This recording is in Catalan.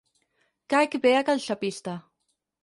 Caic bé a cal xapista.